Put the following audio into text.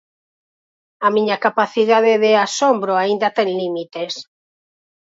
A miña capacidade de asombro aínda ten límites.